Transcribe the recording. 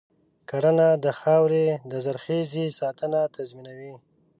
کرنه د خاورې د زرخیزۍ ساتنه تضمینوي.